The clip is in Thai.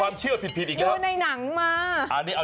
ระดูทในหนังมา